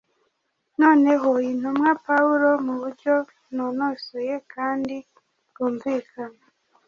Noneho intumwa pawulo, mu buryo bunonosoye kandi bwumvikana,